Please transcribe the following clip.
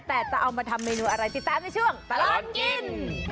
แต่จะเอามาทำเมนูอะไรติดตามในช่วงตลอดกิน